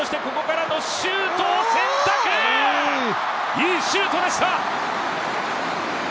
いいシュートでした。